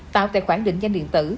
tạo tài khoản định danh điện tử